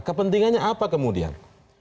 kepentingannya apa kemudian